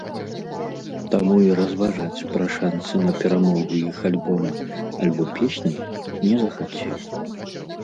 Таму і разважаць пра шанцы на перамогу іх альбома альбо песні не захацеў.